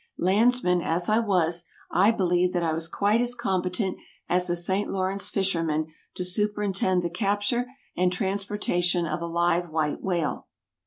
Landsman as I was, I believed that I was quite as competent as a St. Lawrence fisherman to superintend the capture and transportation of a live white whale.